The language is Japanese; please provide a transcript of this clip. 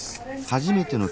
初めての。